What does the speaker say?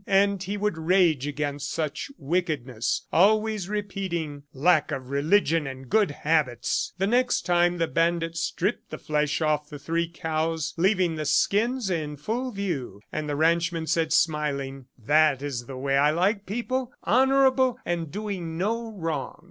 ... And he would rage against such wickedness, always repeating, "Lack of religion and good habits!" The next time, the bandits stripped the flesh off of three cows, leaving the skins in full view, and the ranchman said, smiling, "That is the way I like people, honorable and doing no wrong."